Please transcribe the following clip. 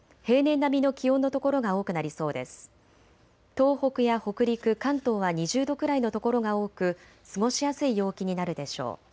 東北や北陸、関東は２０度くらいの所が多く過ごしやすい陽気になるでしょう。